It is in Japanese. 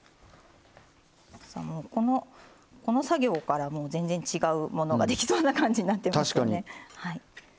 この作業から全然、違うものができそうな感じになってますね。